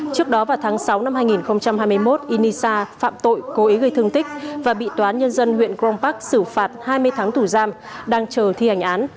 trước đó vào tháng sáu năm hai nghìn hai mươi một inisa phạm tội cố ý gây thương tích và bị toán nhân dân huyện crong park xử phạt hai mươi tháng tù giam đang chờ thi hành án